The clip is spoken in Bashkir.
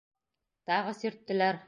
Тағы сирттеләр.